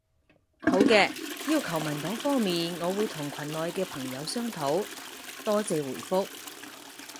好嘅，要求文檔方面，我會同群內嘅朋友商討。多謝回覆